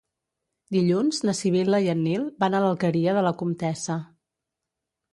Dilluns na Sibil·la i en Nil van a l'Alqueria de la Comtessa.